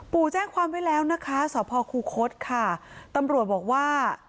แจ้งความไว้แล้วนะคะสพคูคศค่ะตำรวจบอกว่า